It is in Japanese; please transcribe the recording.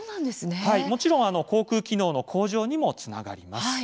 もちろん、口くう機能の向上にもつながります。